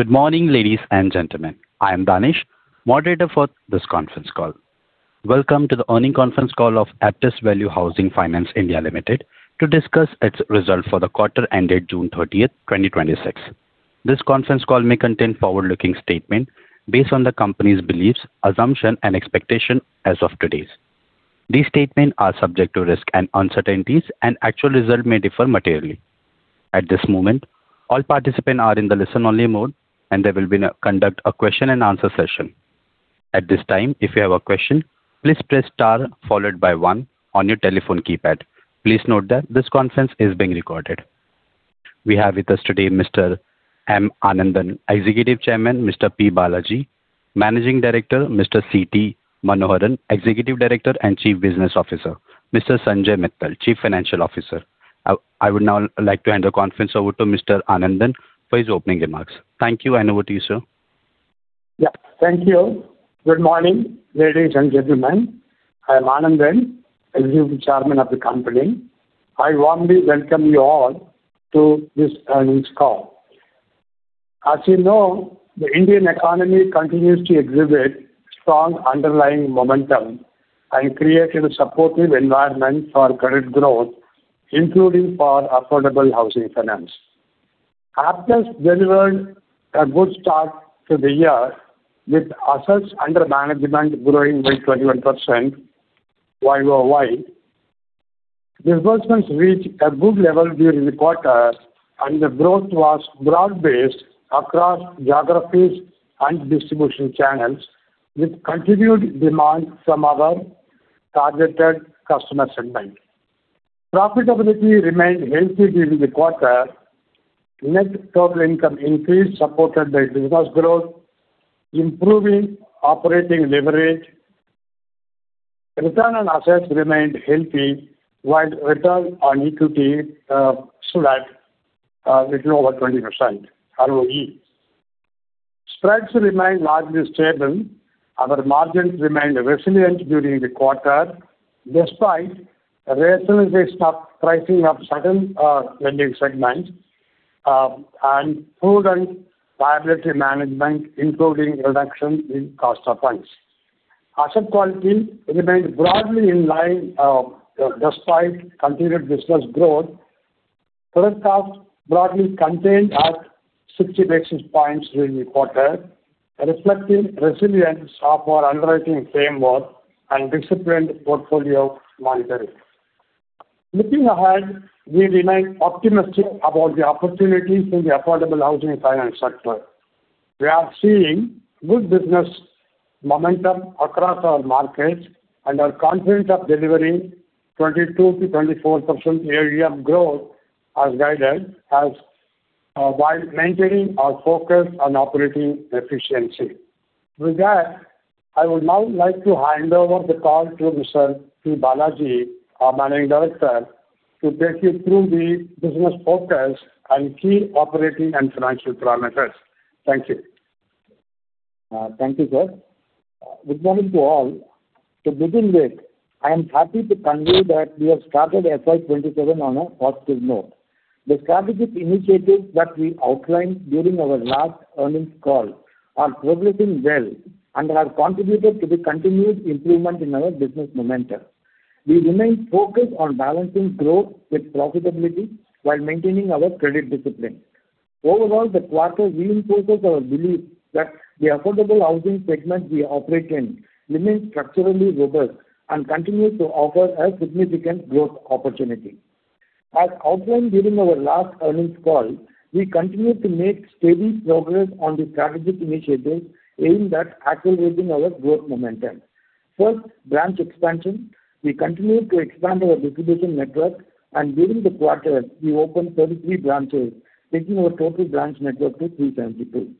Good morning, ladies and gentlemen. I am Danish, moderator for this conference call. Welcome to the earnings conference call of Aptus Value Housing Finance India Limited to discuss its results for the quarter ended June 30th, 2026. This conference call may contain forward-looking statements based on the company's beliefs, assumptions, and expectations as of today's date. These statements are subject to risks and uncertainties, and actual results may differ materially. At this moment, all participants are in listen-only mode, and there will be a question-and-answer session. At this time, if you have a question, please press star followed by one on your telephone keypad. Please note that this conference is being recorded. We have with us today Mr. M. Anandan, Executive Chairman, Mr. P. Balaji, Managing Director, Mr. C.T. Manoharan, Executive Director and Chief Business Officer, Mr. Sanjay Mittal, Chief Financial Officer. I would now like to hand the conference over to Mr. Anandan for his opening remarks. Thank you, and over to you, sir. Thank you. Good morning, ladies and gentlemen. I am Anandan, Executive Chairman of the company. I warmly welcome you all to this earnings call. As you know, the Indian economy continues to exhibit strong underlying momentum and creates a supportive environment for credit growth, including for affordable housing finance. Aptus delivered a good start to the year with assets under management growing by 21% YoY. Disbursement reached a good level during the quarter, and the growth was broad-based across geographies and distribution channels with continued demand from our targeted customer segment. Profitability remained healthy during the quarter. Net total income increased, supported by business growth, improving operating leverage. Return on assets remained healthy, while return on equity stood at a little over 20% ROE. Spreads remained largely stable. Our margins remained resilient during the quarter despite rationalization of pricing of certain lending segments and prudent liability management, including reduction in cost of funds. Asset quality remained broadly in line despite continued business growth. Credit costs broadly contained at 60 basis points during the quarter, reflecting resilience of our underwriting framework and disciplined portfolio monitoring. Looking ahead, we remain optimistic about the opportunities in the affordable housing finance sector. We are seeing good business momentum across our markets and are confident of delivering 22%-24% AUM growth as guided, while maintaining our focus on operating efficiency. With that, I would now like to hand over the call to Mr. P. Balaji, our Managing Director, to take you through the business focus and key operating and financial parameters. Thank you. Thank you, sir. Good morning to all. To begin with, I am happy to convey that we have started FY 2027 on a positive note. The strategic initiatives that we outlined during our last earnings call are progressing well and have contributed to the continued improvement in our business momentum. We remain focused on balancing growth with profitability while maintaining our credit discipline. Overall, the quarter reinforces our belief that the affordable housing segment we operate in remains structurally robust and continues to offer a significant growth opportunity. As outlined during our last earnings call, we continue to make steady progress on the strategic initiatives aimed at accelerating our growth momentum. First, branch expansion. We continue to expand our distribution network, and during the quarter, we opened 33 branches, taking our total branch network to 372.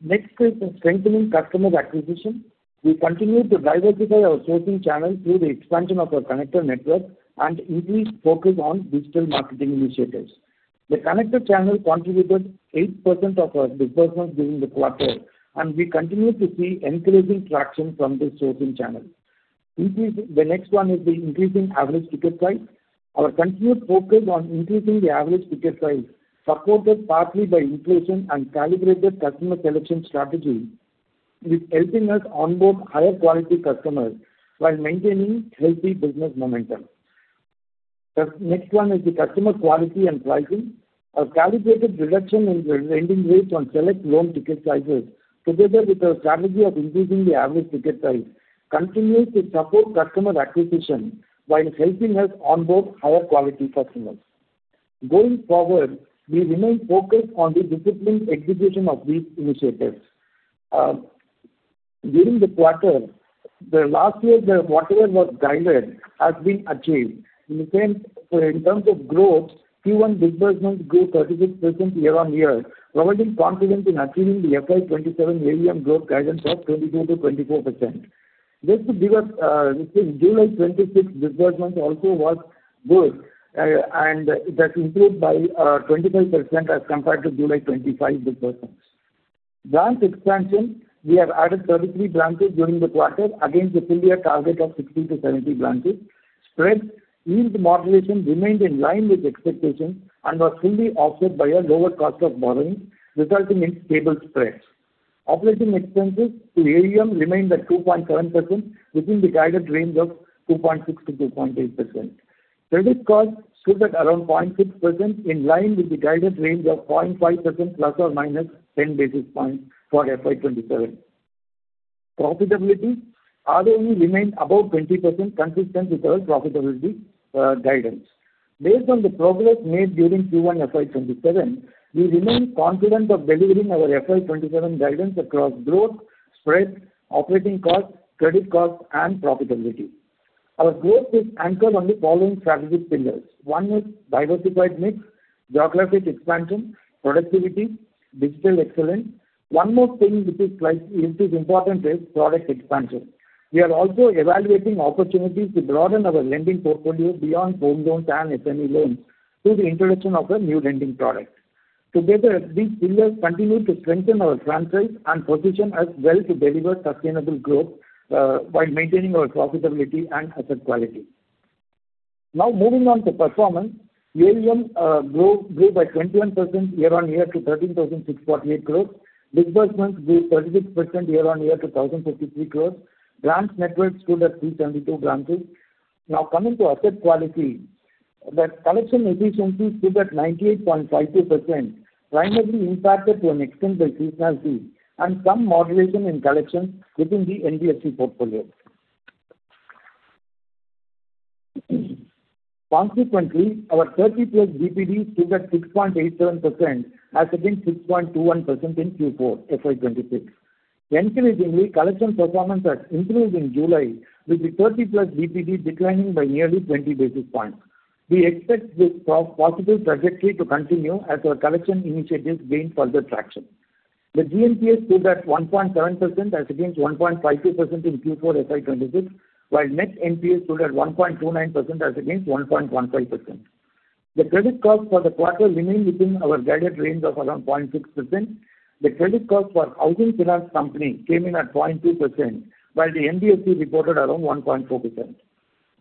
Next is strengthening customer acquisition. We continue to diversify our sourcing channels through the expansion of our connector network and increased focus on digital marketing initiatives. The connector channel contributed 8% of our disbursements during the quarter, and we continue to see encouraging traction from this sourcing channel. The next one is the increase in average ticket size. Our continued focus on increasing the average ticket size, supported partly by inflation and calibrated customer collection strategy, is helping us onboard higher quality customers while maintaining healthy business momentum. The next one is the customer quality and pricing. A calibrated reduction in lending rates on select loan ticket sizes together with our strategy of increasing the average ticket size continues to support customer acquisition while helping us onboard higher quality customers. Going forward, we remain focused on the disciplined execution of these initiatives. During the quarter, the last year, whatever was guided has been achieved. In terms of growth, Q1 disbursements grew 36% year-over-year, providing confidence in achieving the FY 2027 AUM growth guidance of 22%-24%. July 2026 disbursement also was good, and that improved by 25% as compared to July 2025 disbursements. Branch expansion, we have added 33 branches during the quarter against the full year target of 60-70 branches. Spreads, yield modulation remained in line with expectations and was fully offset by a lower cost of borrowing, resulting in stable spreads. Operating expenses to AUM remained at 2.7%, within the guided range of 2.6%-2.8%. Credit cost stood at around 0.6%, in line with the guided range of 0.5% ±10 basis points for FY 2027. Profitability, ROE remained above 20%, consistent with our profitability guidance. Based on the progress made during Q1 FY 2027, we remain confident of delivering our FY 2027 guidance across growth, spreads, operating costs, credit costs, and profitability. Our growth is anchored on the following strategic pillars. One is diversified mix, geographic expansion, productivity, digital excellence. One more thing which is important is product expansion. We are also evaluating opportunities to broaden our lending portfolio beyond Home Loans and SME loans through the introduction of a new lending product. Together, these pillars continue to strengthen our franchise and position us well to deliver sustainable growth while maintaining our profitability and asset quality. Now moving on to performance. AUM grew by 21% year-over-year to 13,648 crore. Disbursement grew 36% year-over-year to 1,053 crore. Branch network stood at 372 branches. Coming to asset quality, the collection efficiency stood at 98.52%, primarily impacted to an extent by seasonality and some modulation in collections within the NBFC portfolio. Consequently, our 30+ DPD stood at 6.87% as against 6.21% in Q4 FY 2026. Encouragingly, collection performance has improved in July with the 30+ DPD declining by nearly 20 basis points. We expect this positive trajectory to continue as our collection initiatives gain further traction. The GNPA stood at 1.7% as against 1.52% in Q4 FY 2026, while net NPA stood at 1.29% as against 1.15%. The credit cost for the quarter remained within our guided range of around 0.6%. The credit cost for Housing Finance company came in at 0.2%, while the NBFC reported around 1.4%.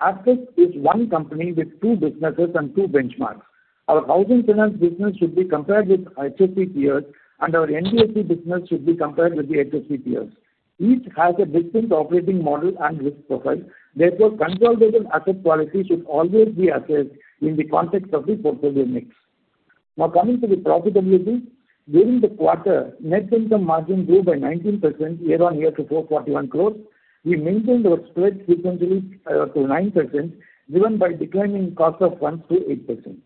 Aptus is one company with two businesses and two benchmarks. Our Housing Finance business should be compared with HFC peers. Our NBFC business should be compared with the NBFC peers. Each has a distinct operating model and risk profile. Therefore, consolidated asset quality should always be assessed in the context of the portfolio mix. Coming to the profitability. During the quarter, net income margin grew by 19% year-over-year to 441 crore. We maintained our spreads sequentially to 9%, driven by declining cost of funds to 8%.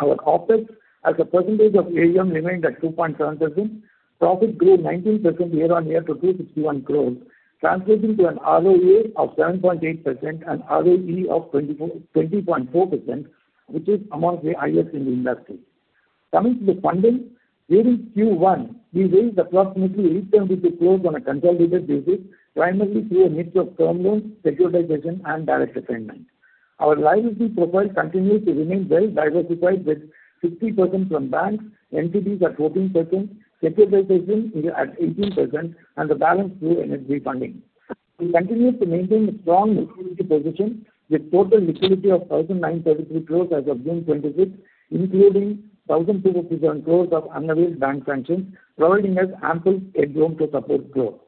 Our OpEx as a percentage of AUM remained at 2.7%. Profit grew 19% year-over-year to 361 crore, translating to an ROA of 7.8% and ROE of 20.4%, which is amongst the highest in the industry. Coming to the funding. During Q1, we raised approximately 872 crore on a consolidated basis, primarily through a mix of term loans, securitization, and direct assignments. Our liability profile continues to remain well-diversified with 60% from banks, NCDs at 14%, securitization at 18%, and the balance through [NCD] funding. We continue to maintain a strong liquidity position with total liquidity of 1,933 crore as of June 26, including 1,257 crore of unavailable bank sanctions, providing us ample headroom to support growth.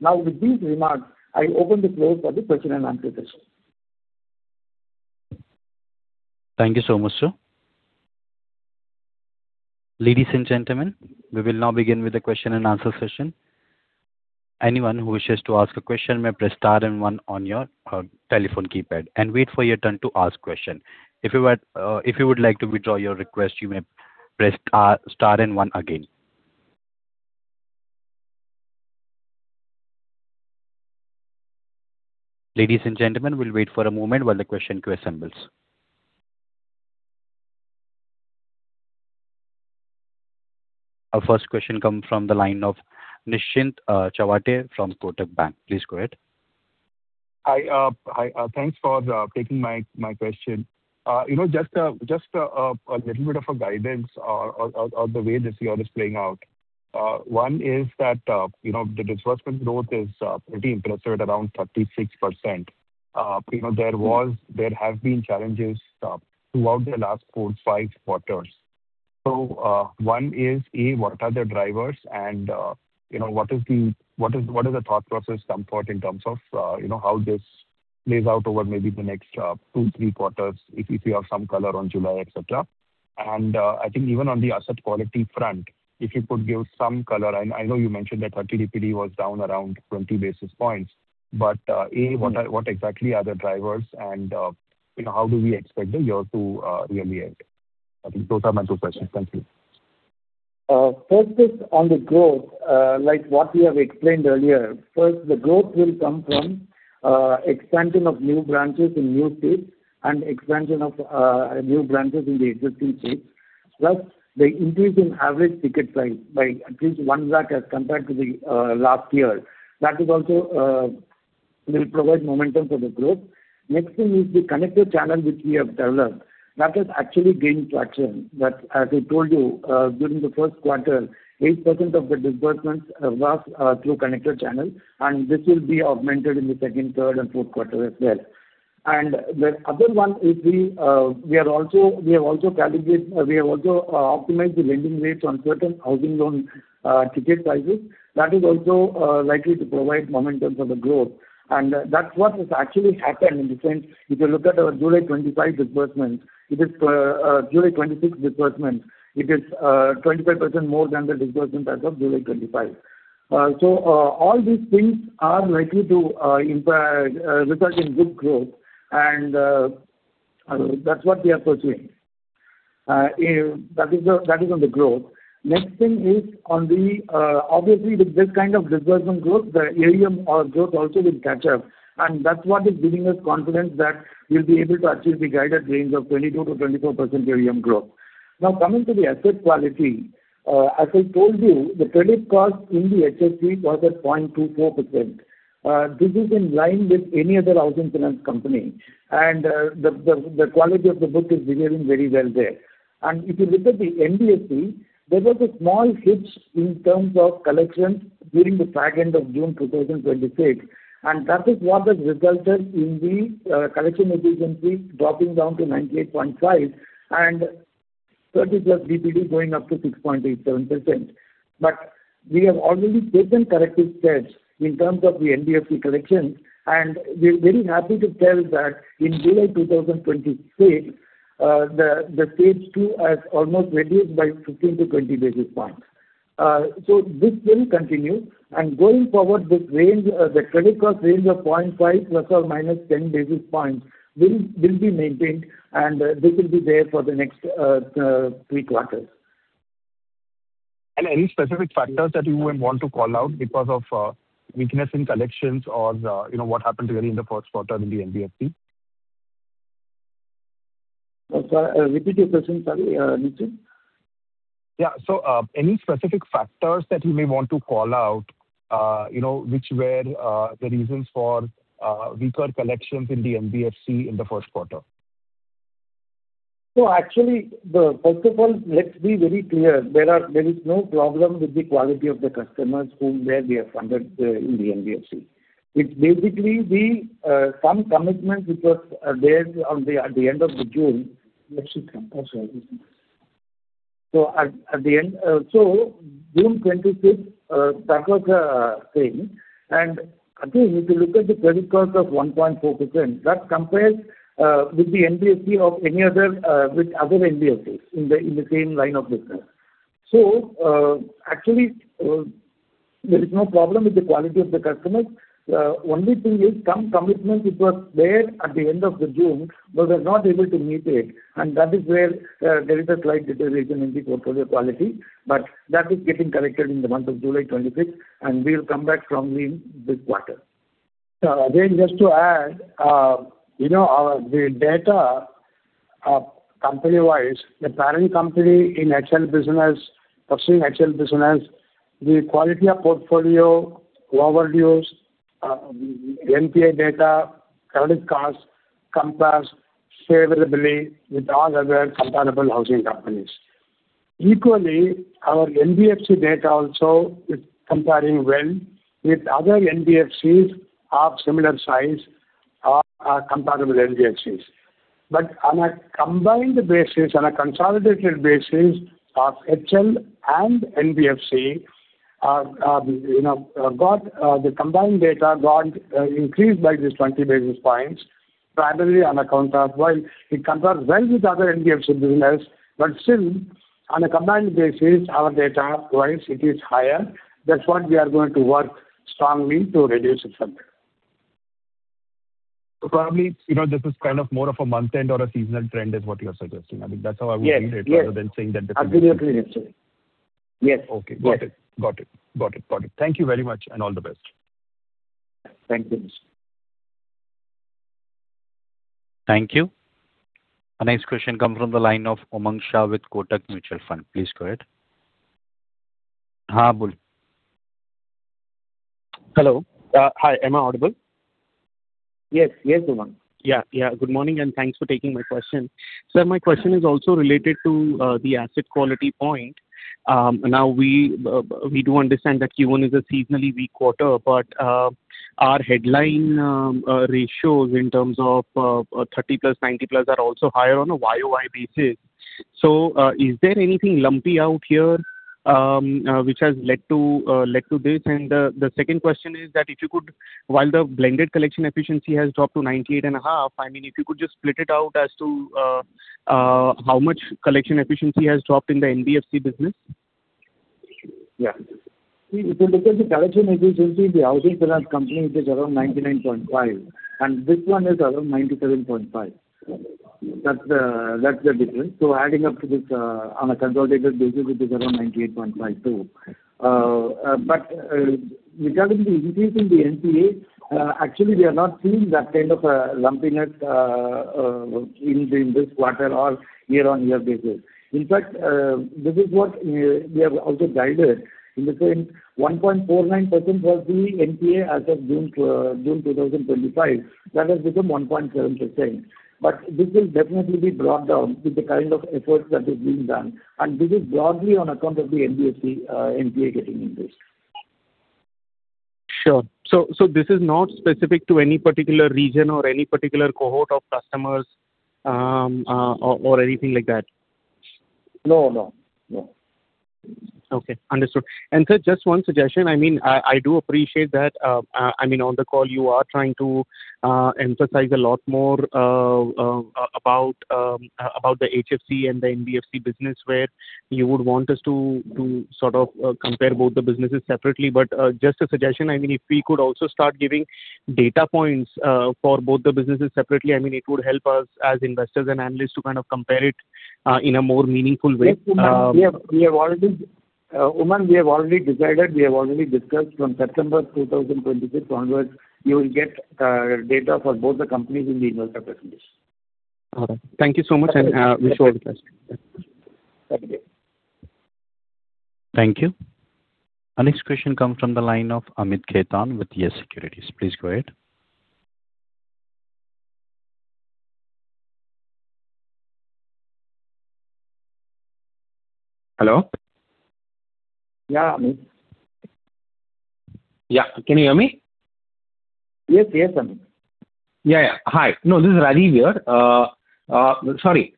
With these remarks, I open the floor for the question-and-answer session. Thank you so much, sir. Ladies and gentlemen, we will now begin with the question-and-answer session. Anyone who wishes to ask a question may press star and one on your telephone keypad and wait for your turn to ask question. If you would like to withdraw your request, you may press star and one again. Ladies and gentlemen, we will wait for a moment while the question queue assembles. Our first question come from the line of Nischint Chawathe from Kotak Bank. Please go ahead. Hi. Thanks for taking my question. Just a little bit of a guidance on the way this year is playing out. One is that the disbursement growth is pretty impressive at around 36%. There have been challenges throughout the last, four, five quarters. One is, A, what are the drivers and what is the thought process come forth in terms of how this plays out over maybe the next two, three quarters, if you have some color on July, etc. I think even on the asset quality front, if you could give some color. I know you mentioned that 30 DPD was down around 20 basis points, A, what exactly are the drivers and how do we expect the year to really end? I think those are my two questions. Thank you. First is on the growth, like what we have explained earlier. First, the growth will come from expansion of new branches in new states and expansion of new branches in the existing states. Plus, the increase in average ticket size by at least 1 lakh as compared to the last year. That is also will provide momentum for the growth. Next thing is the connected channel which we have developed, that has actually gained traction. That, as I told you, during the first quarter, 8% of the disbursements was through connected channel, and this will be augmented in the second, third, and fourth quarter as well. The other one is we have also optimized the lending rates on certain housing loan ticket sizes. That is also likely to provide momentum for the growth. That's what has actually happened in the sense, if you look at our July 2025 disbursement, July 2026 disbursement, it is 25% more than the disbursement as of July 2025. All these things are likely to result in good growth, and that's what we are pursuing. That is on the growth. Next thing is, obviously, with this kind of disbursement growth, the AUM growth also will catch up. That's what is giving us confidence that we'll be able to achieve the guided range of 22%-24% AUM growth. Now, coming to the asset quality, as I told you, the credit cost in the HFC was at 0.24%. This is in line with any other housing finance company, and the quality of the book is behaving very well there. If you look at the NBFC, there was a small hitch in terms of collections during the back end of June 2026, and that is what has resulted in the collection efficiency dropping down to 98.5% and 30+ DPD going up to 6.87%. We have already taken corrective steps in terms of the NBFC collections, and we are very happy to tell that in July 2026, the stage two has almost reduced by 15 basis points-20 basis points. This will continue, and going forward, the credit cost range of 0.5 ±10 basis points will be maintained, and this will be there for the next three quarters. Any specific factors that you would want to call out because of weakness in collections or what happened really in the first quarter in the NBFC? Repeat your question, sorry, Nischint. Any specific factors that you may want to call out which were the reasons for weaker collections in the NBFC in the first quarter? Actually, first of all, let's be very clear, there is no problem with the quality of the customers whom we have funded in the NBFC. It's basically some commitment which was there at the end of June. June 26, that was the thing. Again, if you look at the credit cost of 1.4%, that compares with other NBFCs in the same line of business. Actually, there is no problem with the quality of the customers. Only thing is some commitment which was there at the end of June, we were not able to meet it, and that is where there is a slight deterioration in the portfolio quality. That is getting corrected in the month of July 26, and we will come back strongly in this quarter. Just to add, the data company-wise, the parent company in HL business, pursuing HL business, the quality of portfolio, overviews, NPA data, credit cost compares favorably with all other comparable housing companies. Equally, our NBFC data also is comparing well with other NBFCs of similar size or comparable NBFCs. On a combined basis, on a consolidated basis of HL and NBFC, the combined data got increased by just 20 basis points, primarily on account of while it compares well with other NBFC business, but still, on a combined basis, our data-wise, it is higher. That's what we are going to work strongly to reduce it from there. Probably, this is kind of more of a month-end or a seasonal trend is what you are suggesting. I think that's how I would read it- Yes. ...rather than saying that the Absolutely, Nischint. Yes. Okay. Got it. Thank you very much, and all the best. Thank you, Nischint. Thank you. Our next question comes from the line of Umang Shah with Kotak Mutual Fund. Please go ahead. Hello. Hi, am I audible? Yes, Umang. Good morning, and thanks for taking my question. Sir, my question is also related to the asset quality point. We do understand that Q1 is a seasonally weak quarter, but our headline ratios in terms of 30+, 90+ are also higher on a YoY basis. Is there anything lumpy out here which has led to this? The second question is that if you could, while the blended collection efficiency has dropped to 98.5%, if you could just split it out as to how much collection efficiency has dropped in the NBFC business? If you look at the collection efficiency in the housing finance company, it is around 99.5%, and this one is around 97.5%. That's the difference. Adding up to this on a consolidated basis, it is around 98.5% too. Regarding the increase in the NPA, actually we are not seeing that kind of a lumpiness in this quarter or year-on-year basis. In fact, this is what we have also guided in the sense 1.49% was the NPA as of June 2025. That has become 1.7%. This will definitely be brought down with the kind of efforts that is being done, and this is broadly on account of the NBFC, NPA getting increased. Sure. This is not specific to any particular region or any particular cohort of customers or anything like that? No. Okay, understood. Sir, just one suggestion. I do appreciate that on the call you are trying to emphasize a lot more about the HFC and the NBFC business, where you would want us to sort of compare both the businesses separately. Just a suggestion, if we could also start giving data points for both the businesses separately, it would help us as investors and analysts to kind of compare it in a more meaningful way. Yes. Umang, we have already decided, we have already discussed from September 2026 onwards, you will get data for both the companies in the investor presentation. All right. Thank you so much, and wish you all the best. Thank you. Thank you. Our next question comes from the line of Amit Khetan with Yes Securities. Please go ahead. Hello. Yeah, Amit. Yeah. Can you hear me? Yes, Amit. Hi. This is Rajiv here. Sorry.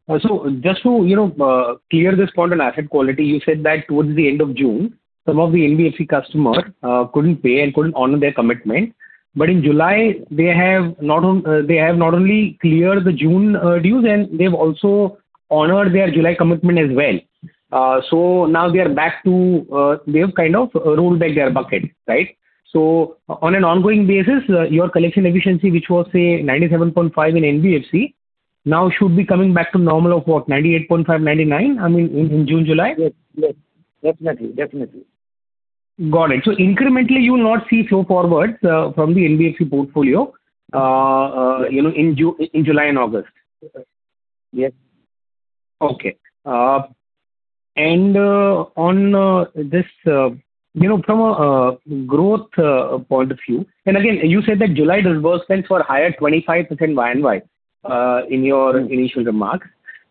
Just to clear this point on asset quality, you said that towards the end of June, some of the NBFC customers couldn't pay and couldn't honor their commitment. But in July, they have not only cleared the June dues and they've also honored their July commitment as well. Now they're back to, they have kind of rolled back their bucket, right? On an ongoing basis, your collection efficiency, which was, say, 97.5% in NBFC, now should be coming back to normal of what, 98.5%, 99%, in June, July? Yes. Definitely. Got it. Incrementally, you will not see slow forwards from the NBFC portfolio in July and August? Yes. Okay. From a growth point of view, again, you said that July disbursements were higher 25% YoY in your initial remarks.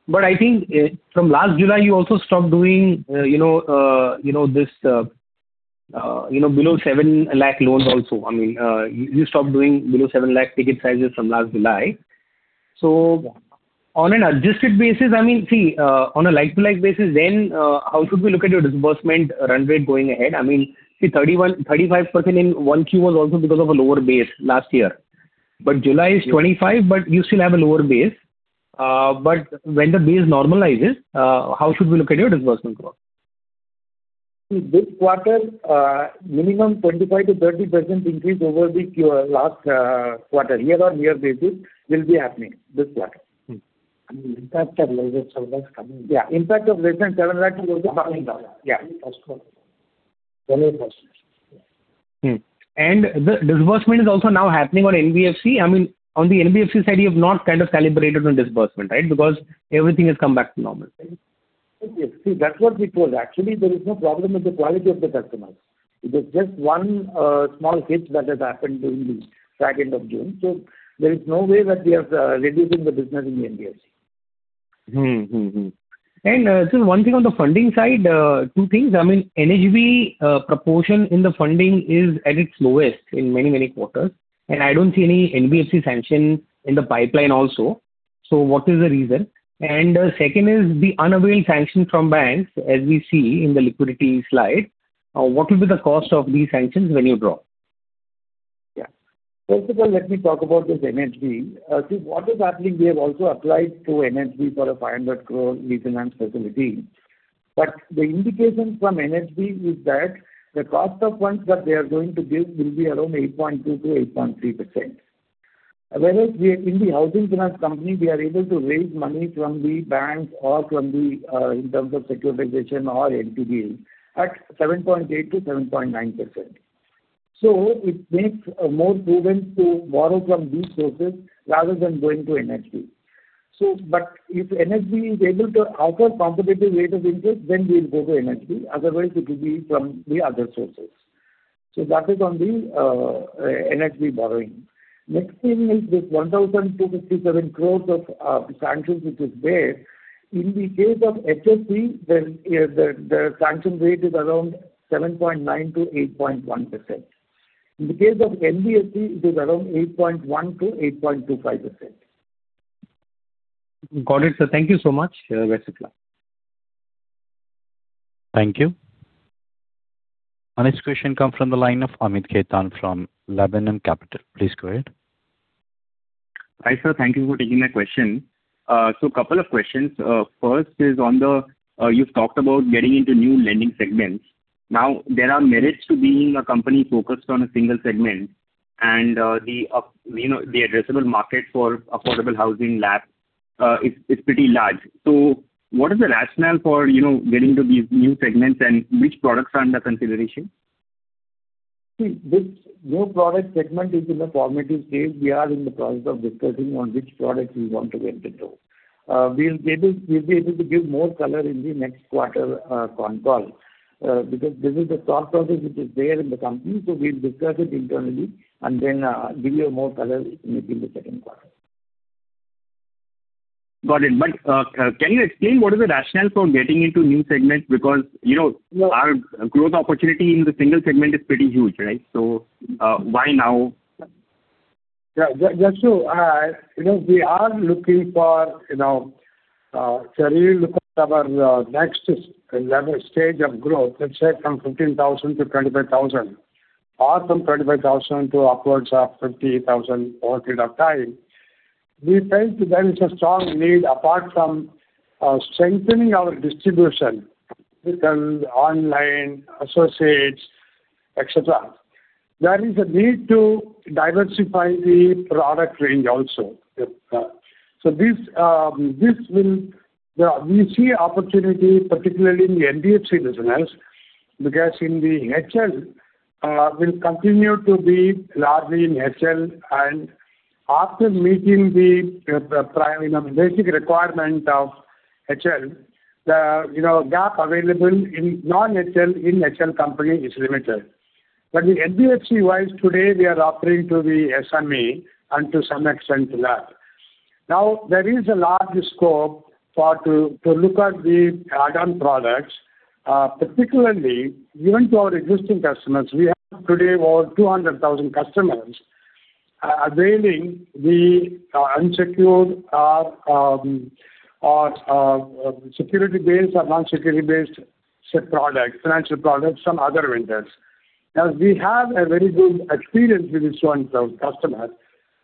But I think from last July, you also stopped doing below 7 lakh loans also. You stopped doing below 7 lakh ticket sizes from last July. On an adjusted basis, see, on a like-to-like basis then, how should we look at your disbursement run rate going ahead? See, 35% in 1Q was also because of a lower base last year. July is 25%, but you still have a lower base. When the base normalizes, how should we look at your disbursement growth? See, this quarter, minimum 25%-30% increase over the last quarter, year-on-year basis will be happening this quarter. The impact of lesser INR 7 lakh is coming. Yeah. Impact of less than INR 7 lakh is also coming down. Yeah. Yeah. First quarter. [inaudible] The disbursement is also now happening on NBFC. On the NBFC side, you have not kind of calibrated on disbursement, right? Because everything has come back to normal. Yes. See, that's what it was. Actually, there is no problem with the quality of the customers. It is just one small hit that has happened during the second of June. There is no way that we are reducing the business in NBFC. Sir, one thing on the funding side, two things. NHB proportion in the funding is at its lowest in many quarters. I don't see any NBFC sanction in the pipeline also. What is the reason? Second is the unavailed sanction from banks, as we see in the liquidity slide. What will be the cost of these sanctions when you draw? Yeah. First of all, let me talk about this NHB. See, what is happening, we have also applied to NHB for a 500 crore refinance facility. The indication from NHB is that the cost of funds that they are going to give will be around 8.2%-8.3%. Whereas in the housing finance company, we are able to raise money from the banks or in terms of securitization or NPAs at 7.8%-7.9%. It makes more prudent to borrow from these sources rather than going to NHB. If NHB is able to offer competitive rate of interest, then we'll go to NHB, otherwise it will be from the other sources. That is on the NHB borrowing. Next thing is this 1,257 crore of sanctions which is there. In the case of HFC, the sanction rate is around 7.9%-8.1%. In the case of NBFC, it is around 8.1%-8.25%. Got it, sir. Thank you so much. Best of luck. Thank you. Our next question come from the line of Amit Khetan from Laburnum Capital. Please go ahead. Hi, sir. Thank you for taking my question. Couple of questions. First is on the, you've talked about getting into new lending segments. Now, there are merits to being a company focused on a single segment and the addressable market for affordable housing LAP is pretty large. What is the rationale for getting into these new segments and which products are under consideration? See, this new product segment is in the formative stage. We are in the process of discussing on which product we want to get into. We'll be able to give more color in the next quarter con call because this is the thought process which is there in the company. We'll discuss it internally and then give you more color maybe in the second quarter. Got it. Can you explain what is the rationale for getting into new segments? Because our growth opportunity in the single segment is pretty huge, right? Why now? Yeah. Amit, we are looking at our next level stage of growth, let's say from 15,000-25,000 or from 25,000 to upwards of 50,000 over a period of time. We felt there is a strong need apart from strengthening our distribution, physical, online, associates, etc. There is a need to diversify the product range also. We see opportunity, particularly in the NBFC business, because in the HL we'll continue to be largely in HL and after meeting the basic requirement of HL, the gap available in non-HL in HL company is limited. In NBFC wise today we are offering to the SME and to some extent to large. There is a large scope to look at the add-on products, particularly even to our existing customers. We have today about 200,000 customers availing the unsecured or security-based or non-security based such products, financial products from other vendors. We have a very good experience with this one set of customers,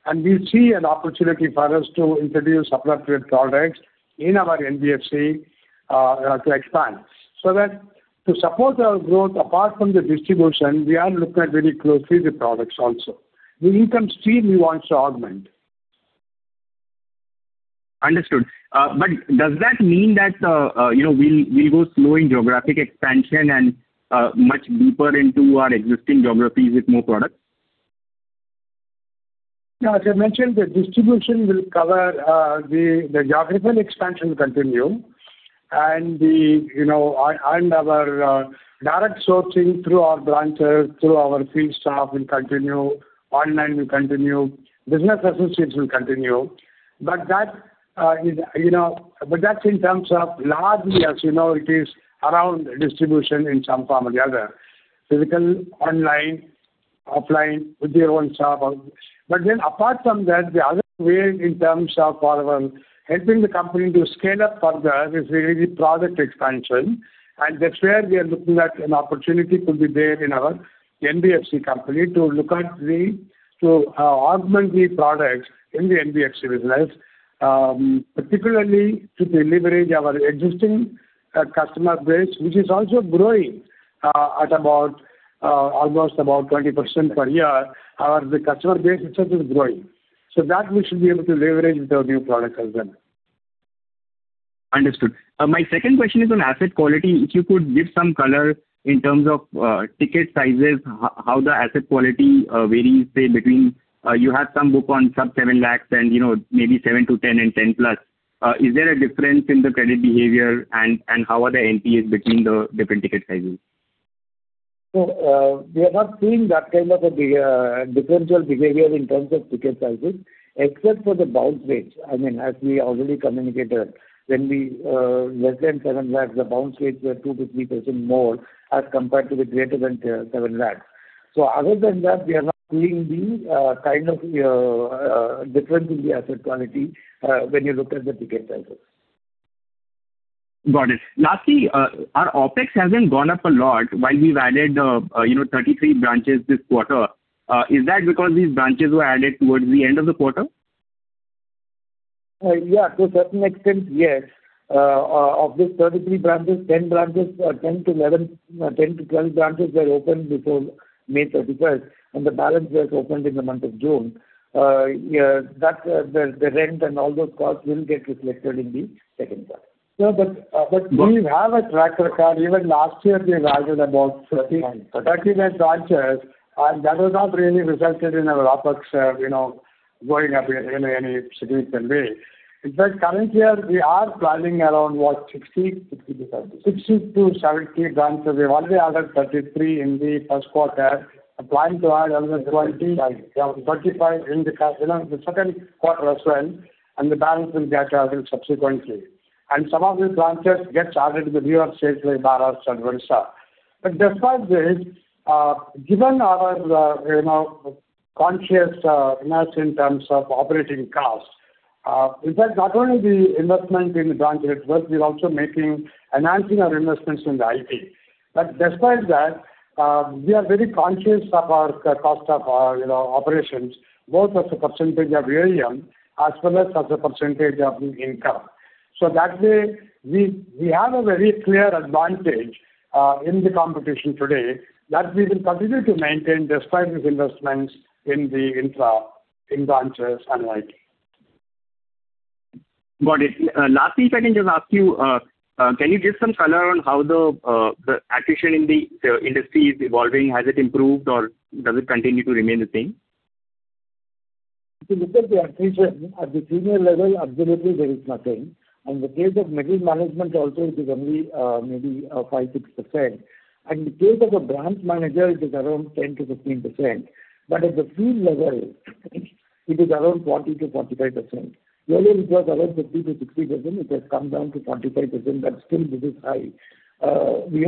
and we see an opportunity for us to introduce appropriate products in our NBFC to expand. To support our growth apart from the distribution, we are looking at very closely the products also. The income stream we want to augment. Understood. Does that mean that we'll go slow in geographic expansion and much deeper into our existing geographies with more products? As I mentioned, the distribution will cover the geographical expansion continuum and our direct sourcing through our branches, through our field staff will continue, online will continue, business associates will continue. That's in terms of largely as you know it is around distribution in some form or the other. Physical, online, offline with their own staff. Apart from that, the other way in terms of our helping the company to scale up further is really product expansion, and that's where we are looking at an opportunity could be there in our NBFC company to augment the products in the NBFC business. Particularly to leverage our existing customer base, which is also growing at almost about 20% per year. Our customer base itself is growing. That we should be able to leverage with our new products as well. Understood. My second question is on asset quality. If you could give some color in terms of ticket sizes, how the asset quality varies, say between you have some book on sub 7 lakhs and maybe 7 lakhs- 10 lakh and 10+ lakh. Is there a difference in the credit behavior and how are the NPAs between the different ticket sizes? We are not seeing that kind of a differential behavior in terms of ticket sizes except for the bounce rate. As we already communicated, when we less than 7 lakhs, the bounce rates were 2%-3% more as compared to the greater than 7 lakhs. Other than that, we are not seeing the kind of difference in the asset quality when you look at the ticket sizes. Got it. Lastly, our OpEx hasn't gone up a lot while we've added 33 branches this quarter. Is that because these branches were added towards the end of the quarter? Yeah, to a certain extent, yes. Of these 33 branches, 10-12 branches were opened before May 31st and the balance was opened in the month of June. The rent and all those costs will get reflected in the second quarter. We have a track record. Even last year, we added about- 39. ...39 branches and that has not really resulted in our OpEx going up in any significant way. In fact, current year, we are planning around what, 60? 60-70. 60-70 branches. We've already added 33 in the first quarter and plan to add another 20. 35. 35 in the second quarter as well. The balance will get added subsequently. Some of these branches get added to the newer states like Bharat and whatsoever. Despite this, given our conscious efforts in terms of operating costs, in fact, not only the investment in the branch network, we're also enhancing our investments in the IT. Despite that, we are very conscious of our cost of operations, both as a percentage of AUM as well as a percentage of the income. That way, we have a very clear advantage in the competition today that we will continue to maintain despite these investments in branches and IT. Got it. Lastly, if I can just ask you, can you give some color on how the attrition in the industry is evolving? Has it improved or does it continue to remain the same? If you look at the attrition at the senior level, absolutely there is nothing. In the case of middle management also, it is only maybe 5%-6%. In the case of a branch manager, it is around 10%-15%. At the field level, it is around 40%-45%. Earlier it was around 50%-60%, it has come down to 45%, but still this is high. We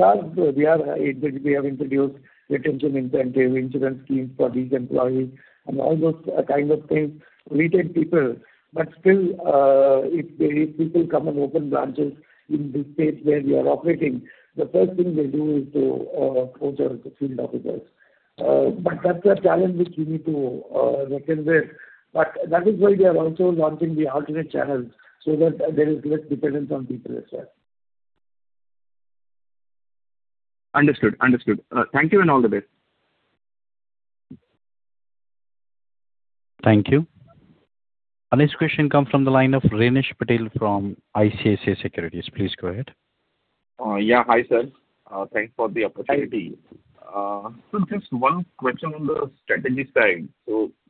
have introduced retention incentive insurance schemes for these employees and all those kinds of things to retain people. Still, if people come and open branches in the states where we are operating, the first thing they do is to poach our field officers. That's a challenge which we need to wrestle with. That is why we are also launching the alternate channels, so that there is less dependence on people as such. Understood. Thank you, and all the best. Thank you. Our next question comes from the line of Renish Patel from ICICI Securities. Please go ahead. Yeah. Hi, sir. Thanks for the opportunity. Hi. Sir, just one question on the strategy side.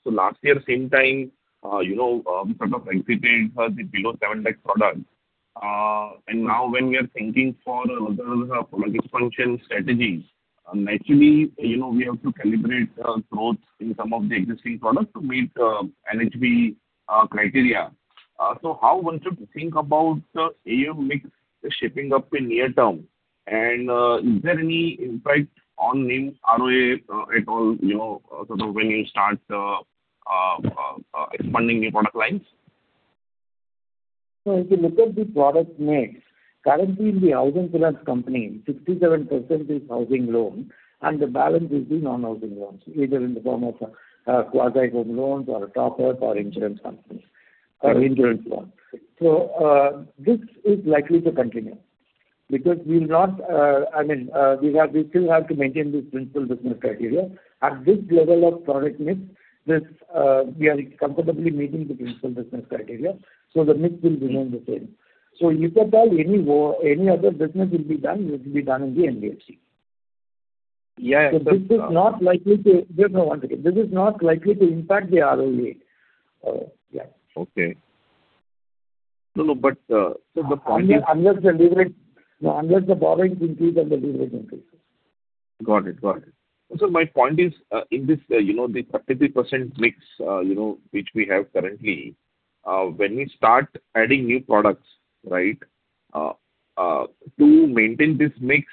Last year same time, we sort of exited below 7 lakh product. Now when we are thinking for the product function strategies, naturally, we have to calibrate growth in some of the existing products to meet NHB criteria. How one should think about the AUM mix shaping up in near term, and is there any impact on ROA at all when you start expanding new product lines? If you look at the product mix, currently in the housing finance company, 67% is housing loan and the balance is the non-housing loans, either in the form of quasi-home loans or a topper or insurance loans. This is likely to continue because we still have to maintain this principal business criteria. At this level of product mix, we are comfortably meeting the principal business criteria, the mix will remain the same. If at all any other business will be done, it will be done in the NBFC. Yeah. No, one second. This is not likely to impact the ROA. Yeah. Okay. No, the point is. Unless the borrowings increase on the leverage increases. Got it. Sir, my point is in this 33% mix which we have currently, when we start adding new products to maintain this mix,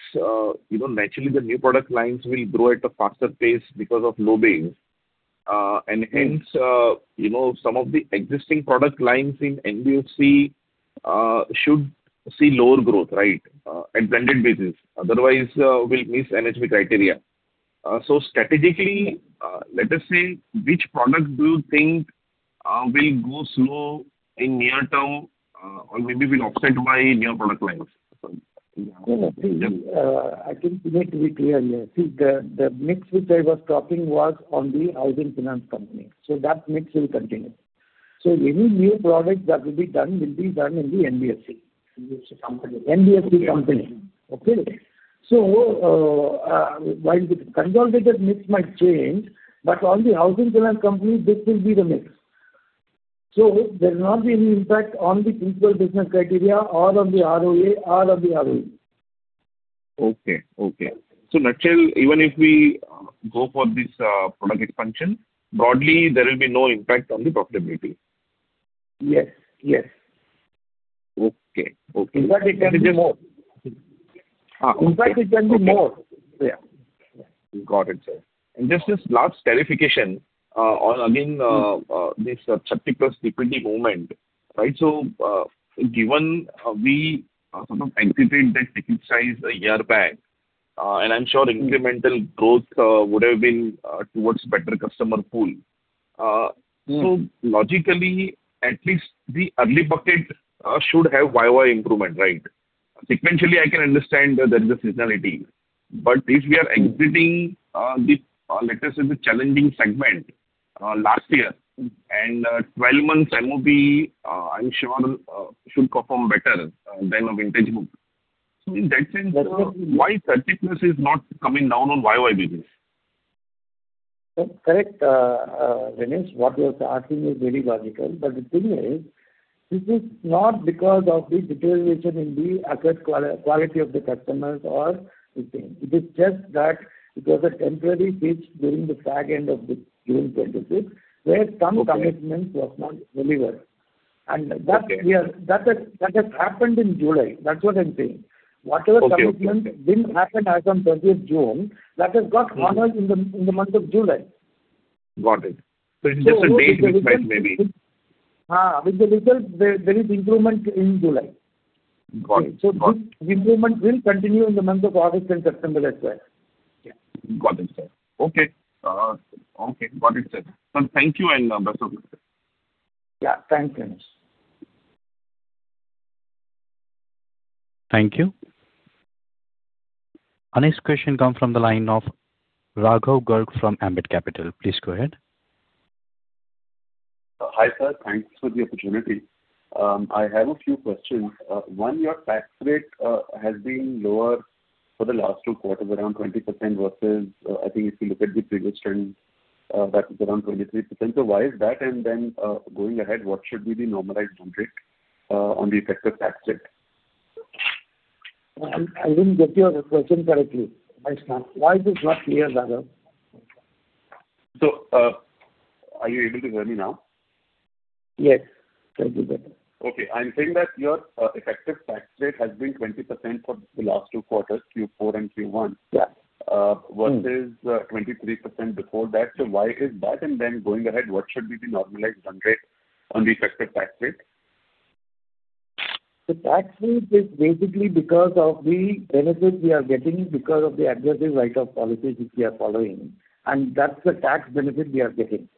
naturally the new product lines will grow at a faster pace because of low base. Hence, some of the existing product lines in NBFC should see lower growth at blended business. Otherwise, we'll miss NHB criteria. Strategically, let us say, which product do you think will go slow in near term or maybe will be offset by new product lines? No, I think we need to be clear here. See, the mix which I was talking was on the housing finance company. That mix will continue. Any new product that will be done will be done in the NBFC. NBFC company. Okay? While the consolidated mix might change, but on the housing finance company, this will be the mix. There will not be any impact on the principal business criteria or on the ROA or on the ROE. Okay. Naturally, even if we go for this product function, broadly, there will be no impact on the profitability. Yes. Okay. In fact, it can be more. Got it, sir. Just this last clarification on, again, this 30+ DPD moment. Given we sort of exited that ticket size a year back, I'm sure incremental growth would have been towards better customer pool. Logically, at least the early bucket should have YoY improvement, right? Sequentially, I can understand there is a seasonality. If we are exiting this, let us say, the challenging segment last year, 12 months [MOB] I'm sure should perform better than a vintage book. In that sense, why 30+ is not coming down on YoY basis? Correct, Renish. What you're asking is very logical. The thing is, this is not because of the deterioration in the asset quality of the customers or this thing. It is just that it was a temporary glitch during the fag end of June 2026 where some commitments were not delivered. Okay. That has happened in July. That's what I'm saying. Whatever commitments didn't happen as on June 20th, that has got honored in the month of July. Got it. It's just a day effect maybe. With the result, there is improvement in July. Got it. This improvement will continue in the month of August and September as well. Yeah. Got it, sir. Okay. Got it, sir. Sir, thank you and best of luck, sir. Yeah. Thanks, Renish. Thank you. Our next question comes from the line of Raghav Garg from Ambit Capital. Please go ahead. Hi, sir. Thanks for the opportunity. I have a few questions. One, your tax rate has been lower for the last two quarters, around 20% versus, I think if you look at the previous trend, that was around 23%. Why is that? Going ahead, what should be the normalized run rate on the effective tax rate? I didn't get your question correctly. I understand. Why is it not clear, Raghav? Are you able to hear me now? Yes, much better. I'm saying that your effective tax rate has been 20% for the last two quarters, Q4 and Q1. Yeah. Versus 23% before that. Why is that? Going ahead, what should be the normalized run rate on the effective tax rate? The tax rate is basically because of the benefit we are getting because of the aggressive write-off policy which we are following, and that's the tax benefit we are getting.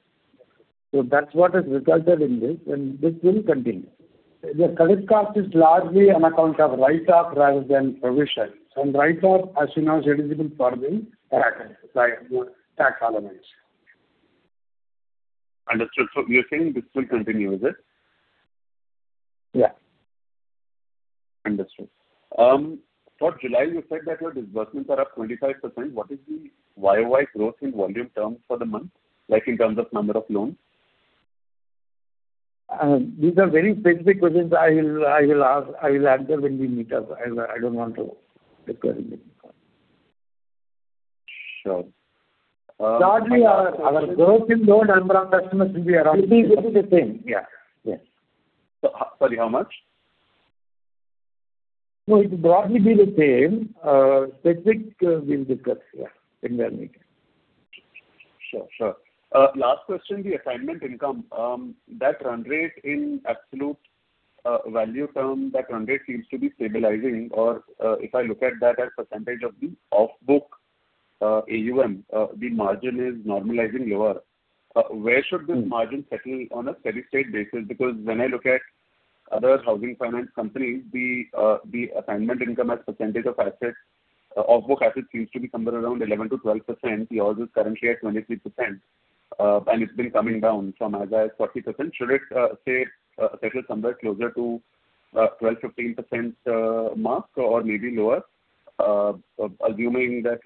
That's what has resulted in this, and this will continue. The credit cost is largely on account of write-off rather than provision. Write-off, as you know, is eligible for the tax allowance. Understood. You're saying this will continue, is it? Yeah. Understood. For July, you said that your disbursements are up 25%. What is the YoY growth in volume terms for the month, like in terms of number of loans? These are very specific questions. I will answer when we meet up. I don't want to reply here. Sure. Largely, our growth in loan number of customers will be around. It will be the same. Yeah. Sorry, how much? No, it will broadly be the same. Specific, we'll discuss when we meet. Sure. Last question, the assignment income, that run rate in absolute value term, that run rate seems to be stabilizing. If I look at that as percentage of the off-book AUM, the margin is normalizing lower. Where should this margin settle on a steady-state basis? When I look at other housing finance companies, the assignment income as percentage of off-book assets seems to be somewhere around 11%-12%. Yours is currently at 23%, and it's been coming down from as high as 40%. Should it, say, settle somewhere closer to 12%-15% mark or maybe lower, assuming that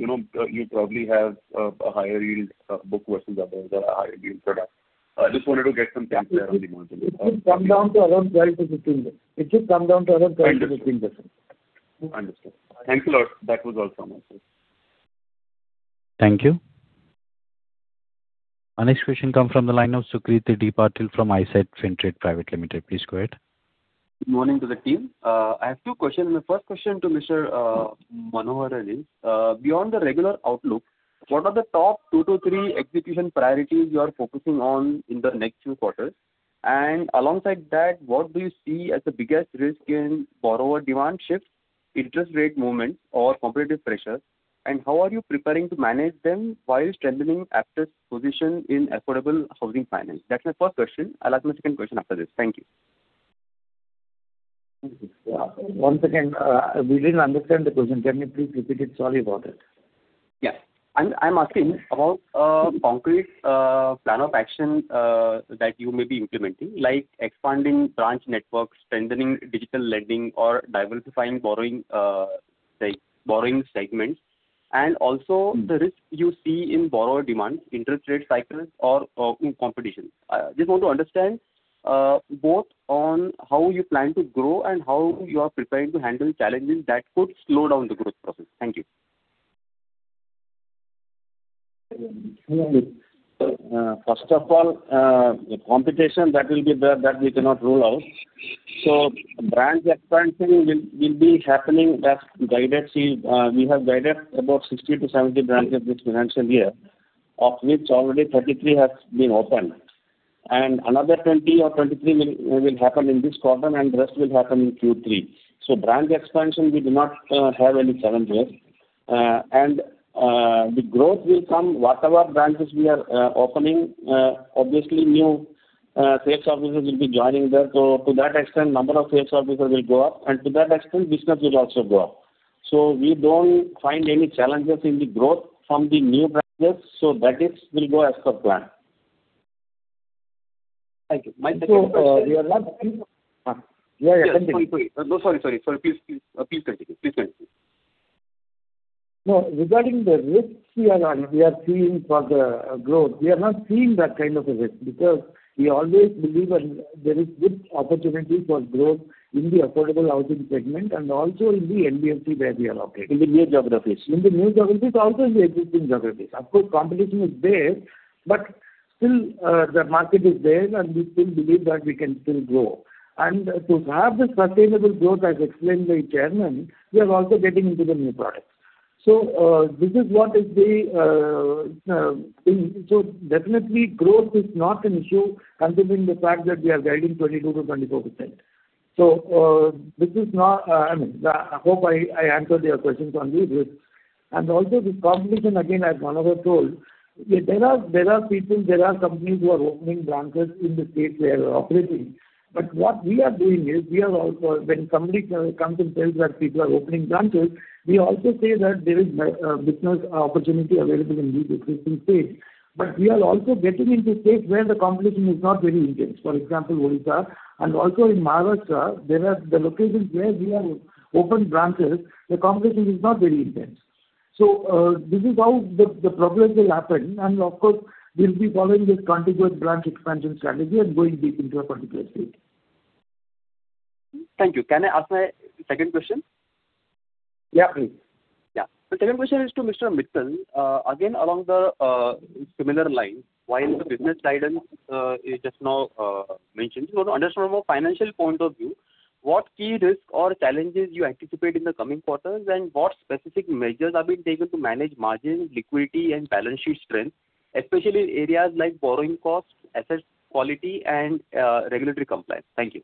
you probably have a higher yield off-book versus others or a higher yield product. I just wanted to get some sense around the margin. It should come down to around 12%-15%. Understood. Thank you a lot. That was all from my side. Thank you. Our next question comes from the line of Sucrit D. Patil from Eyesight Fintrade Private Limited. Please go ahead. Good morning to the team. I have two questions. My first question to Manoharan is, beyond the regular outlook, what are the top two to three execution priorities you are focusing on in the next few quarters? Alongside that, what do you see as the biggest risk in borrower demand shifts, interest rate movement or competitive pressure, and how are you preparing to manage them while strengthening Aptus' position in affordable housing finance? That's my first question. I'll ask my second question after this. Thank you. Once again, we didn't understand the question. Can you please repeat it? Sorry about it. I'm asking about a concrete plan of action that you may be implementing, like expanding branch networks, strengthening digital lending, or diversifying borrowing segments, and also the risk you see in borrower demand, interest rate cycles or competition. I just want to understand both on how you plan to grow and how you are preparing to handle challenges that could slow down the growth process. Thank you. First of all, the competition that we cannot rule out. Branch expansion will be happening as guided. We have guided about 60-70 branches this financial year, of which already 33 have been opened, and another 20 or 23 will happen in this quarter and rest will happen in Q3. Branch expansion, we do not have any challenges. The growth will come. Whatever branches we are opening, obviously new sales officers will be joining there. To that extent, number of sales officers will go up and to that extent, business will also go up. We don't find any challenges in the growth from the new branches. That will go as per plan. Thank you. My second question. We are not seeing. No, sorry. Please continue. Regarding the risks we are seeing for the growth, we are not seeing that kind of a risk because we always believe there is good opportunity for growth in the affordable housing segment and also in the NBFC where we are located. In the new geographies. In the new geographies, also in the existing geographies. Of course, competition is there, but still the market is there and we still believe that we can still grow. To have this sustainable growth, as explained by chairman, we are also getting into the new products. Definitely growth is not an issue considering the fact that we are guiding 22%-24%. I hope I answered your questions on these risks. Also the competition, again, as Manoharan told, there are people, there are companies who are opening branches in the states where we are operating. What we are doing is when somebody comes and tells that people are opening branches, we also say that there is business opportunity available in these existing states. We are also getting into states where the competition is not very intense. For example, Odisha and also in Maharashtra, the locations where we have opened branches, the competition is not very intense. This is how the progress will happen. Of course, we will be following this contiguous branch expansion strategy and going deep into a particular state. Thank you. Can I ask my second question? Yeah, please. Yeah. The second question is to Mr. Mittal. Along the similar lines, while the business guidance is just now mentioned. To understand from a financial point of view, what key risks or challenges you anticipate in the coming quarters and what specific measures are being taken to manage margin, liquidity, and balance sheet strength, especially in areas like borrowing costs, asset quality and regulatory compliance? Thank you.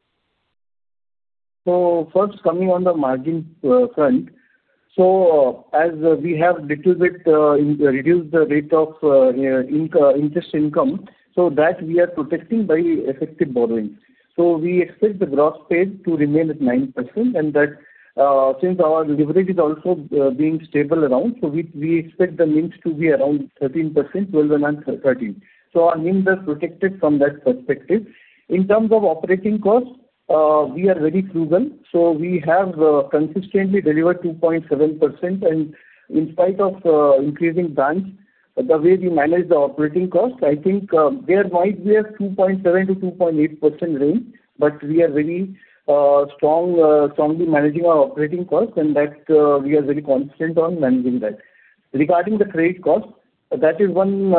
First, coming on the margin front. As we have little bit reduced the rate of interest income, that we are protecting by effective borrowing. We expect the GNPA to remain at 9%, and since our leverage is also being stable around, we expect the NIMs to be around 13%, 12.5%-13%. Our NIMs are protected from that perspective. In terms of operating costs, we are very frugal. We have consistently delivered 2.7% and in spite of increasing banks, the way we manage the operating cost, I think there might be a 2.7%-2.8% range. We are very strongly managing our operating costs and that we are very constant on managing that. Regarding the credit cost, that is one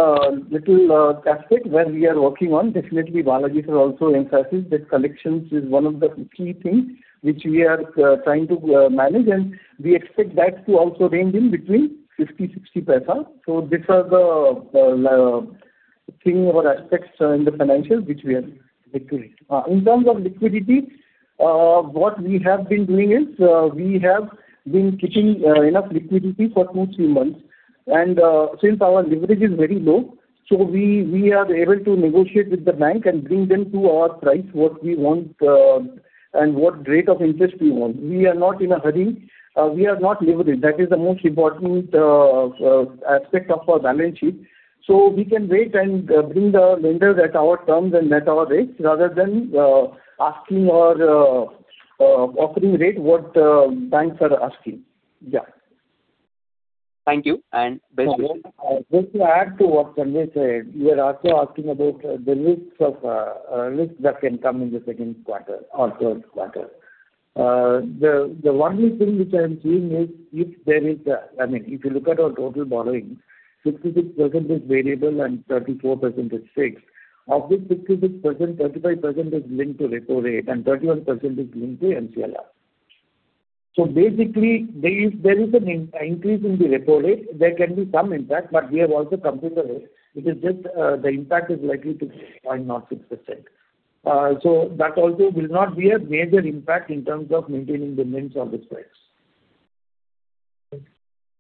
little aspect where we are working on. Definitely, Balaji sir also emphasized that collections is one of the key things which we are trying to manage, and we expect that to also range in between 0.50-0.60. These are the things or aspects in the financial which we are looking into. In terms of liquidity, what we have been doing is, we have been keeping enough liquidity for two, three months and since our leverage is very low, we are able to negotiate with the bank and bring them to our price, what we want and what rate of interest we want. We are not in a hurry. We are not levered. That is the most important aspect of our balance sheet. We can wait and bring the lenders at our terms and at our rates rather than asking or offering rate what banks are asking. Yeah. Thank you and best wishes. Just to add to what Sanjay said, you are also asking about the risks that can come in the second quarter or third quarter. The one thing which I am seeing is if you look at our total borrowings, 66% is variable and 34% is fixed. Of this 66%, 35% is linked to repo rate and 31% is linked to MCLR. Basically, there is an increase in the repo rate. There can be some impact, but we have also computed it. It is just the impact is likely to be 0.06%. That also will not be a major impact in terms of maintaining the NIMs or the spreads.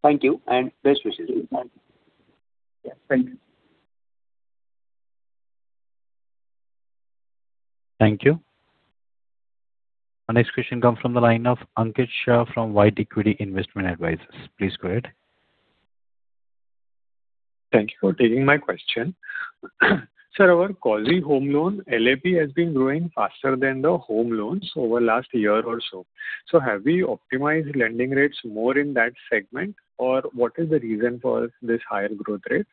Thank you and best wishes to you. Yeah, thank you. Thank you. Our next question comes from the line of Ankit Shah from White Equity Investment Advisors. Please go ahead. Thank you for taking my question. Sir, our quasi-home loan LAP has been growing faster than the Home Loans over last year or so. Have we optimized lending rates more in that segment, or what is the reason for this higher growth rate?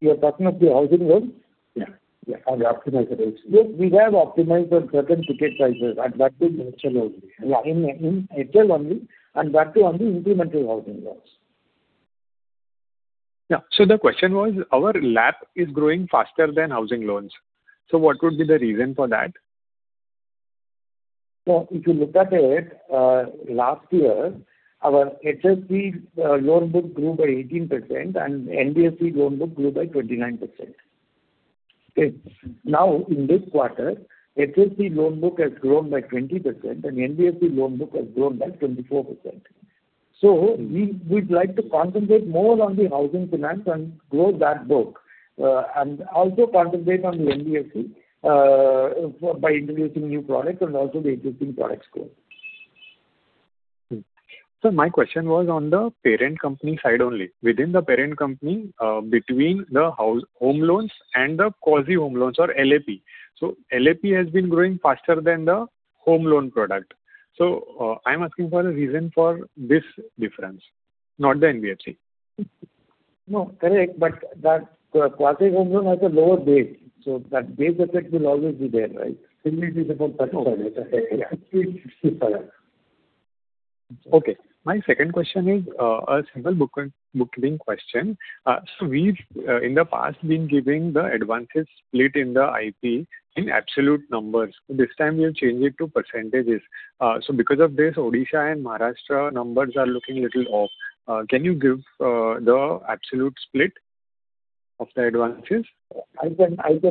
You are talking of the Home Loans? Yeah. Yeah. On the optimized rates. Yes, we have optimized for certain ticket sizes and that too in HL only. In HL only and that too only incremental Home Loans. The question was, our LAP is growing faster than Home Loans. What could be the reason for that? If you look at it, last year, our HFC loan book grew by 18% and NBFC loan book grew by 29%. Okay. Now in this quarter, HFC loan book has grown by 20% and NBFC loan book has grown by 24%. We would like to concentrate more on the Housing Finance and grow that book. Also concentrate on the NBFC by introducing new products and also the existing products growth. Sir, my question was on the parent company side only. Within the parent company, between the Home Loans and the quasi-home loans or LAP. LAP has been growing faster than the Home Loan product. I am asking for the reason for this difference, not the NBFC. No, correct. That quasi-home loan has a lower base. That base effect will always be there, right [inaudible] Okay. My second question is a simple bookkeeping question. We've in the past been giving the advances split in the IP in absolute numbers. This time you have changed it to percentages. Because of this, Odisha and Maharashtra numbers are looking a little off. Can you give the absolute split of the advances? I can ask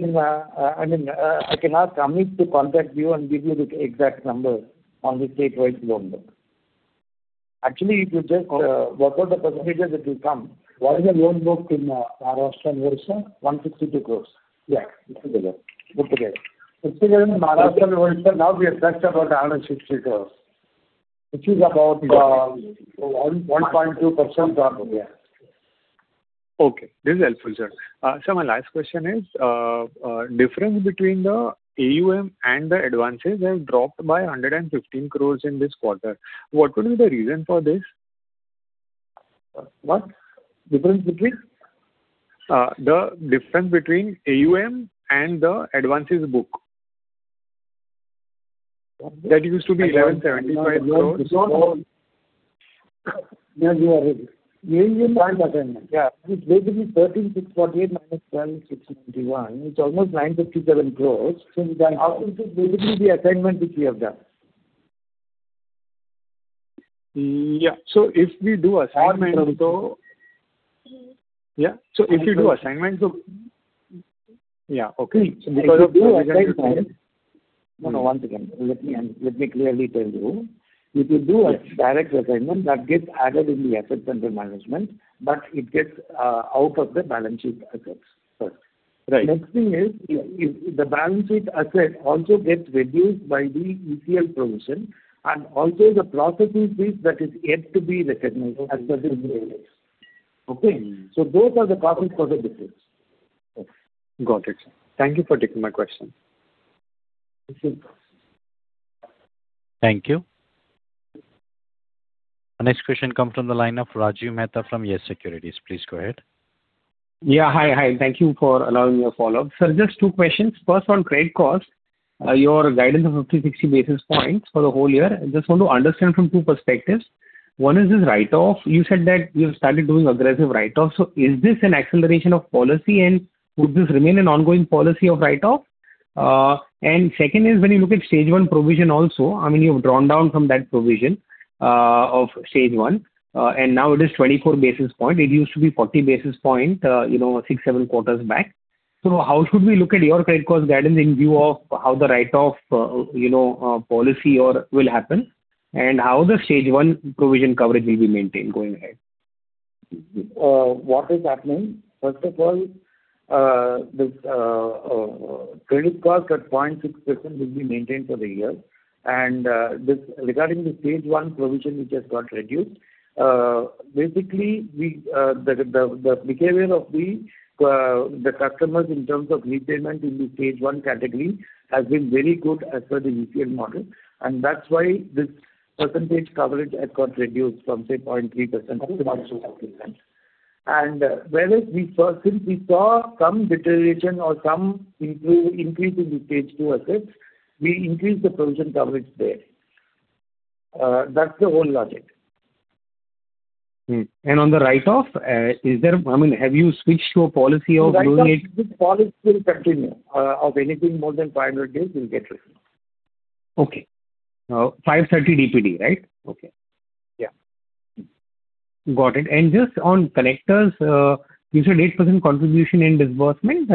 Amit to contact you and give you the exact number on the statewide loan book. Actually, if you just work out the percentages, it will come. What is the loan book in Maharashtra and Odisha? 162 crore. Yeah. It will be there. Good to hear. INR 60 million Maharashtra and Odisha now we have touched about 160 crore. Which is about 1.2% probably, yeah Okay, this is helpful, sir. Sir, my last question is, difference between the AUM and the advances has dropped by 115 crore in this quarter. What could be the reason for this? What? Difference between? The difference between AUM and the advances book. That used to be 1,175 crore. AUM is assignment. Yeah. Basically, 13,648, it's almost 957 crore. Basically the assignment which we have done. Yeah. If we do assignment to Yeah. If we do assignment to Yeah. Okay. Because of the assignment One second. Let me clearly tell you. If you do a direct assignment, that gets added in the asset under management, but it gets out of the balance sheet assets first. Right. Next thing is, the balance sheet asset also gets reduced by the ECL provision, and also the processing fees that is yet to be recognized as per the new rules. Okay? Those are the causes for the difference. Got it. Thank you for taking my question. Thank you. Thank you. Our next question comes from the line of Rajiv Mehta from Yes Securities. Please go ahead. Yeah. Hi. Thank you for allowing my follow-up. Sir, just two questions. First, on credit cost, your guidance of 50 basis points, 60 basis point for the whole year. I just want to understand from two perspectives. One is this write-off. You said that you have started doing aggressive write-off, is this an acceleration of policy, and would this remain an ongoing policy of write-off? Second is, when you look at stage one provision also, you've drawn down from that provision of stage one, and now it is 24 basis point. It used to be 40 basis point six, seven quarters back. How should we look at your credit cost guidance in view of how the write-off policy will happen, and how the stage one provision coverage will be maintained going ahead? What is happening, first of all, this credit cost at 0.6% will be maintained for the year. Regarding the stage one provision which has got reduced, basically, the behavior of the customers in terms of repayment in the stage one category has been very good as per the ECL model, and that's why this percentage coverage had got reduced from, say, 0.3%-0.2%. Whereas since we saw some deterioration or some increase in the stage two assets, we increased the provision coverage there. That's the whole logic. On the write-off, have you switched to a policy of doing Write-off, this policy will continue. Anything more than 500 days will get written off. Okay. 530 DPD, right? Okay. Yeah. Got it. Just on collectors, you said 8% contribution in disbursement.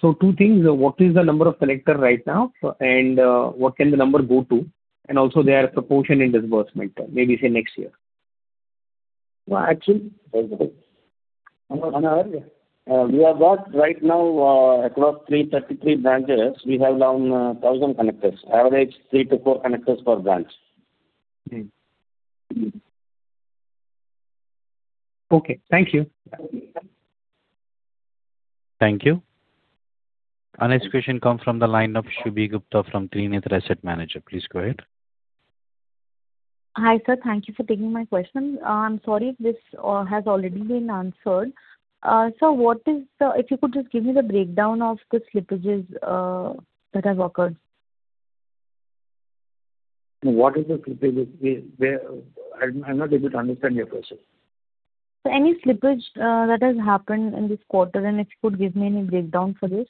Two things, what is the number of collector right now? What can the number go to? Also their proportion in disbursement, maybe say next year. Actually, we have got right now, across three trajectory branches, we have around 1,000 connectors. Average three to four connectors per branch. Okay. Thank you. Thank you. Our next question comes from the line of Shubhi Gupta from Trinetra Asset Managers. Please go ahead. Hi, sir. Thank you for taking my question. I'm sorry if this has already been answered. Sir, if you could just give me the breakdown of the slippages that have occurred. What is the slippage? I'm not able to understand your question. Sir, any slippage that has happened in this quarter, if you could give me any breakdown for this.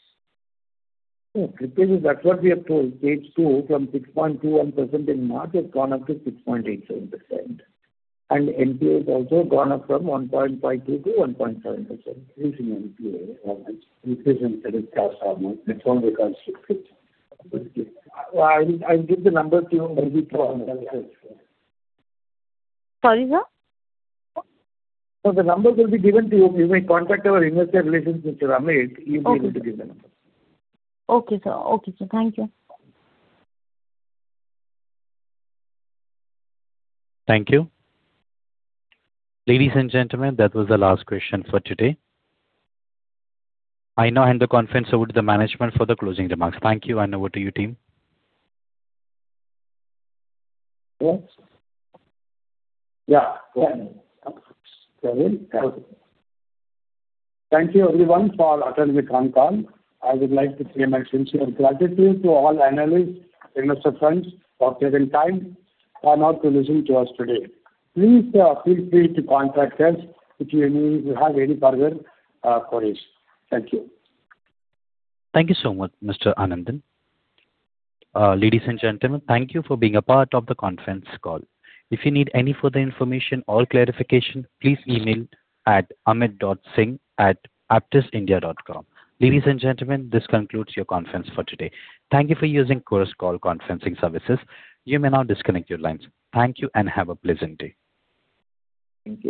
No, slippage is that what we have told. Stage two from 6.21% in March has gone up to 6.87%. NPA has also gone up from 1.52%-1.7%, increase in NPA, which increase in credit cost or net fund regards to slippage. I will give the number to you, maybe through Anand. Sorry, sir? No, the numbers will be given to you. You may contact our investor relations with Amit. He will be able to give the numbers. Okay, sir. Thank you. Thank you. Ladies and gentlemen, that was the last question for today. I now hand the conference over to the management for the closing remarks. Thank you, and over to you, team. Yes. Thank you, everyone, for attending the concall. I would like to pay my sincere gratitude to all analysts, investor friends for taking time out to listen to us today. Please feel free to contact us if you have any further queries. Thank you. Thank you so much, Mr. Anandan. Ladies and gentlemen, thank you for being a part of the conference call. If you need any further information or clarification, please email at amit.singh@aptusindia.com. Ladies and gentlemen, this concludes your conference for today. Thank you for using Chorus Call conferencing services. You may now disconnect your lines. Thank you and have a pleasant day. Thank you.